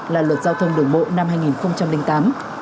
là luật giao thông đường bộ năm hai nghìn tám